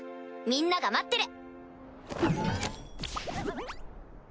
みんなが待ってる。